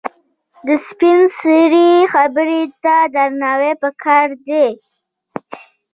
د سپینسرې خبره ته درناوی پکار دی.